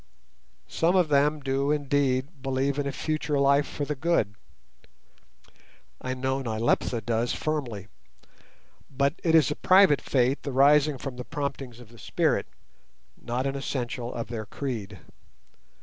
Some of them do indeed believe in a future life for the good—I know Nyleptha does firmly—but it is a private faith arising from the promptings of the spirit, not an essential of their creed.